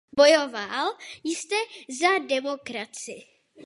Bojoval jste za demokracii.